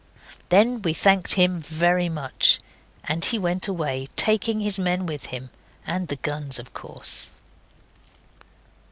Then we thanked him very much, and he went away, taking his men with him. And the guns of course.